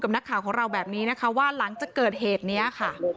นักข่าวของเราแบบนี้นะคะว่าหลังจากเกิดเหตุนี้ค่ะ